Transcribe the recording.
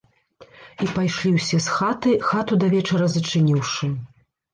І пайшлі ўсе з хаты, хату да вечара зачыніўшы.